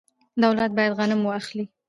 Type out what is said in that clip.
دولت باید غنم واخلي.